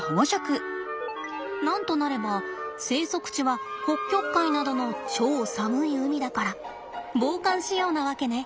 なんとなれば生息地は北極海などの超寒い海だから防寒仕様なわけね。